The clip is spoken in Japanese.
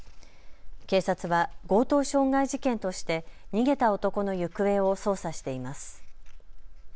警察は強盗傷害事件として逃げた男の行方を捜査しています。